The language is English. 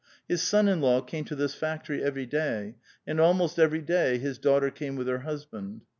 His sou in iaw came to the factory evei y day ; an<l almost every day his daughter came with her husband.